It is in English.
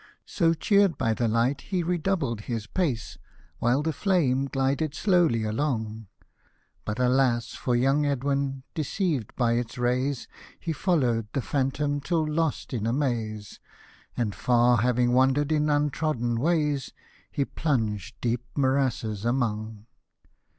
So, cheer'd by the light, he redoubled his pace, While the flame glided slowly along ; But alas ! for young Edwin ! deceived by its rayi, He follow'd the phantom, till lost in a maze, And far having wander'd in untrodden ways, He plung'd deep morasses among.